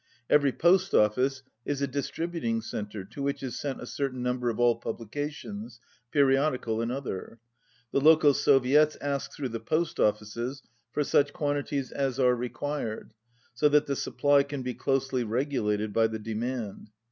Every post ofBce is a distributing centre to which is sent a certain number of all publications, periodical and other. The local Soviets ask through the post offices for such quantities as are required, so that the supply can be closely regulated by the de mand.